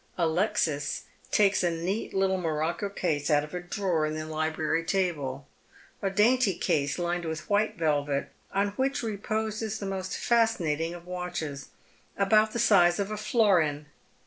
Alexis takes a neat little morocco case out of a drawer in the library table, a dainty case lined with white velvet, on which reposes the most fascinating of watches — about the size of a florin.